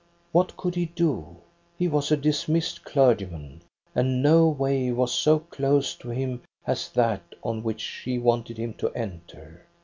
"What could he do? He was a dismissed clergy man, and no way was so closed to him as that on which she wanted him to enter.